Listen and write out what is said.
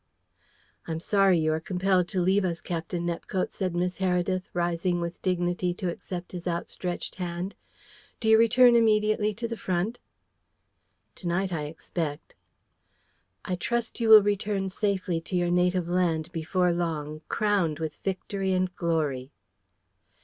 "I am sorry you are compelled to leave us, Captain Nepcote," said Miss Heredith, rising with dignity to accept his outstretched hand. "Do you return immediately to the front?" "To night, I expect." "I trust you will return safely to your native land before long, crowned with victory and glory."